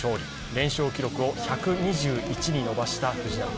連勝記録を１２１に伸ばした藤波。